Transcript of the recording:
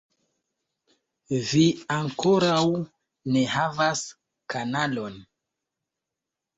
Vi ankoraŭ ne havas kanalon